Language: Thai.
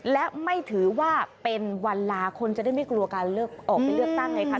และไม่ถือว่าเป็นวันลาคนจะได้ไม่กลัวการเลือกออกไปเลือกตั้งไงคะ